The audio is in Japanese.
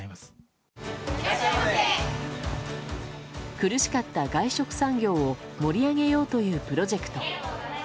苦しかった外食産業を盛り上げようというプロジェクト。